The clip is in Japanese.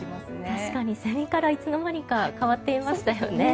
確かに、セミからいつの間にか変わっていましたよね。